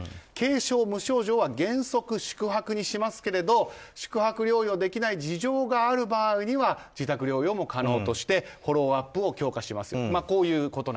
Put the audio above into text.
軽症・無症状は原則宿泊にしますけども宿泊療養ができない事情がある場合には自宅療養も可能としてフォローアップを強化する。